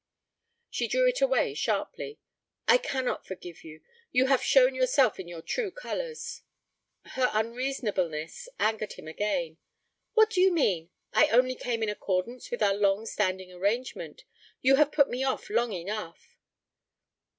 She drew it away sharply. 'I cannot forgive you. You have shown yourself in your true colours.' Her unreasonableness angered him again. 'What do you mean? I only came in accordance with our long standing arrangement. You have put me off long enough.'